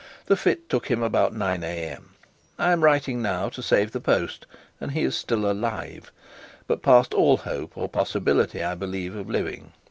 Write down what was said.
The fit took him about 9am. I am writing now to save the post, and he is still alive, but past all hope, or possibility, I believe, of living.